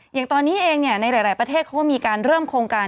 อย่างตอนนี้เองในหลายประเทศเขาก็มีการเริ่มโครงการ